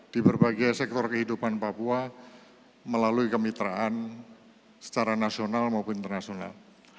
di berbagai sektor kehidupan papua melalui kemitraan secara nasional maupun internasional